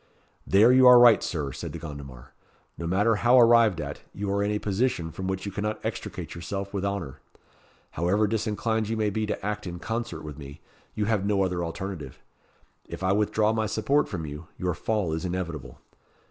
"There you are right, Sir," said De Gondomar. "No matter how arrived at, you are in a position from which you cannot extricate yourself with honour. However disinclined you may be to act in concert with me, you have no other alternative. If I withdraw my support from you, your fall is inevitable.